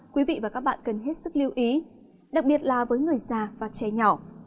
quý vị và các bạn cần hết sức lưu ý đặc biệt là với người già và trẻ nhỏ